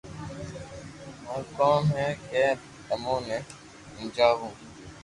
مارو ڪوم ھي ڪي تمو ني ھمجاو